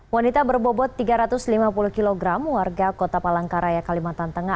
wanita berbobot tiga ratus lima puluh kg warga kota palangkaraya kalimantan tengah